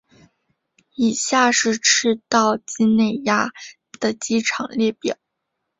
以下是赤道畿内亚的机场列表。